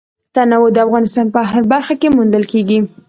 تنوع د افغانستان په هره برخه کې موندل کېږي.